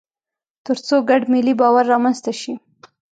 تر څو ګډ ملي باور رامنځته شي.